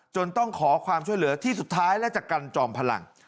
ต้องขอความช่วยเหลือที่สุดท้ายและจากกันจอมพลัง